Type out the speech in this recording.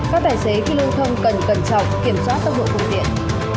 các tài xế khi lưu thông cần cẩn trọng kiểm soát tốc độ phục điện